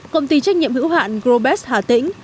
công ty trách nhiệm hữu hạn growbest hà tĩnh